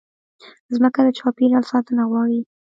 مځکه د چاپېریال ساتنه غواړي.